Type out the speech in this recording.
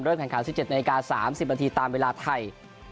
เริ่มขันขัน๑๗นาฬิกา๓๐นาทีตามเวลาไทย